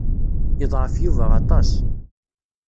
Yeḍɛef Yuba aṭas.